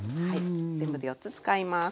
全部で４つ使います。